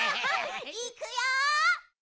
いくよ！